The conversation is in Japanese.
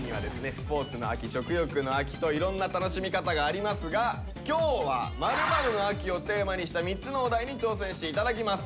スポーツの秋食欲の秋といろんな楽しみ方がありますがきょうは「○○の秋」をテーマにした３つのお題に挑戦して頂きます。